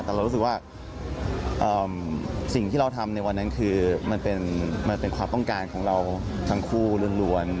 แต่เรารู้สึกว่าสิ่งที่เราทำในวันนั้นคือมันเป็นความต้องการของเราทั้งคู่ล้วน